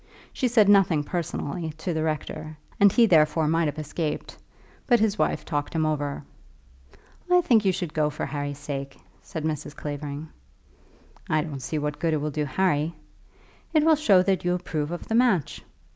She said nothing personally to the rector, and he therefore might have escaped. But his wife talked him over. "I think you should go for Harry's sake," said Mrs. Clavering. "I don't see what good it will do Harry." "It will show that you approve of the match."